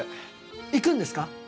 行くんですか？